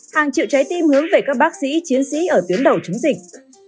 hàng triệu trái tim hướng về các bác sĩ chiến sĩ ở tuyến đầu chống dịch